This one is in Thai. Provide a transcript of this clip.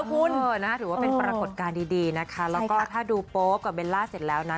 คุณถือว่าเป็นปรากฏการณ์ดีนะคะแล้วก็ถ้าดูโป๊ปกับเบลล่าเสร็จแล้วนะ